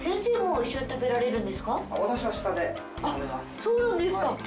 あっそうなんですか。